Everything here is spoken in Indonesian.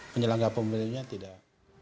penyelenggara pemilunya tidak